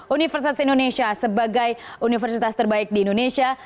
universitas indonesia sebagai universitas terbaik di indonesia